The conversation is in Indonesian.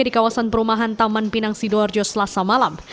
di kawasan perumahan taman pinang sidoarjo selasa malam